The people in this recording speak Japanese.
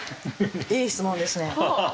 いい質問ですね。